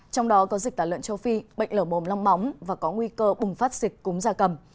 trong đó có dịch tả lợn châu phi bệnh lở mồm long móng và có nguy cơ bùng phát dịch cúng gia cầm